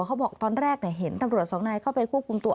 เขาบอกตอนแรกเห็นตำรวจสองนายเข้าไปควบคุมตัว